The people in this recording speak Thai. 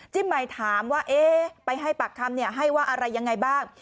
จิ้มใหม่ถามว่าเอ๊ะไปให้ปากคำเนี่ยให้ว่าอะไรยังไงบ้าง